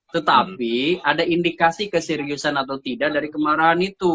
tetapi ada indikasi keseriusan atau tidak dari kemarahan itu